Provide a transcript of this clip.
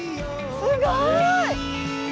すごい！